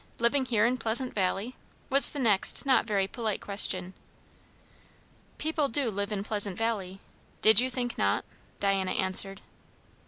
Living here in Pleasant Valley?" was the next not very polite question. "People do live in Pleasant Valley. Did you think not?" Diana answered.